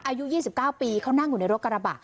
อายุ๒๙ปีเขานั่งอยู่ในรถกระบะ